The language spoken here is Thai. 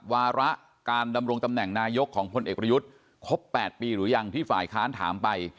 วาระการดำรงตำแหน่งนายกของพลเอกประยุทธ์ครบ๘ปีหรือยังที่ฝ่ายค้านถามไป